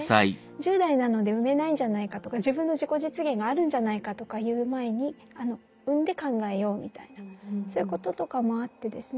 １０代なので産めないんじゃないかとか自分の自己実現があるんじゃないかとかいう前に産んで考えようみたいなそういうこととかもあってですね